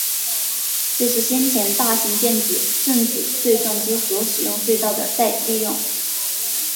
这是先前大型电子正子对撞机所使用隧道的再利用。